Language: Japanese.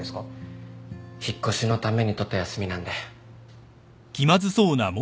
引っ越しのために取った休みなんで。